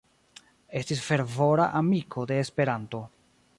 Estis fervora amiko de Esperanto.